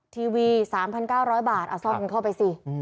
ทีวี๓๙๐๐บาทเอาซ่อมเข้าไปสิ